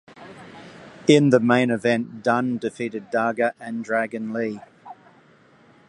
In the main event Dunne defeated Daga and Dragon Lee.